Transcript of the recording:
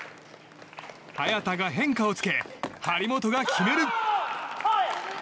早田が変化をつけ張本が決める。